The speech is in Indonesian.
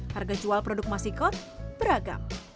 harga jual produk masikot beragam